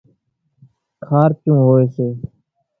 کارچون هوئيَ سي۔